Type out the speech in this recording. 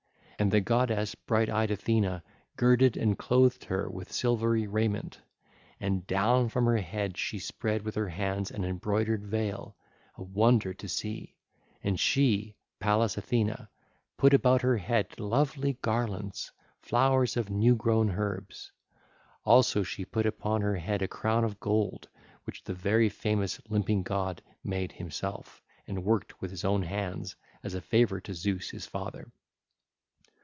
And the goddess bright eyed Athene girded and clothed her with silvery raiment, and down from her head she spread with her hands a broidered veil, a wonder to see; and she, Pallas Athene, put about her head lovely garlands, flowers of new grown herbs. Also she put upon her head a crown of gold which the very famous Limping God made himself and worked with his own hands as a favour to Zeus his father.